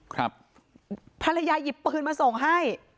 ครับภรรยายบปืนมาส่งให้